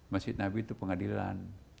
masjid nabi itu pengadilan